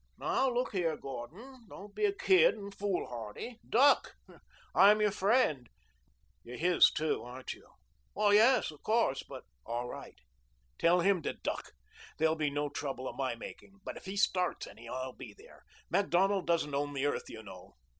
"Now, look here, Gordon. Don't be a kid and foolhardy. Duck. I'm your friend " "You're his, too, aren't you?" "Yes, of course, but " "All right. Tell him to duck. There'll be no trouble of my making. But if he starts any I'll be there. Macdonald doesn't own the earth, you know.